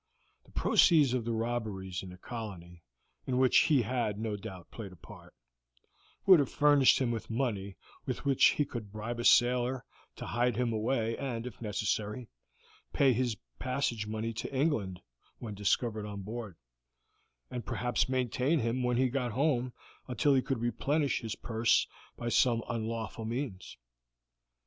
The proceeds of the robberies in the colony, in which he had no doubt played a part, would have furnished him with money with which he could bribe a sailor to hide him away and, if necessary, pay his passage money to England, when discovered on board, and perhaps maintain him when he got home until he could replenish his purse by some unlawful means.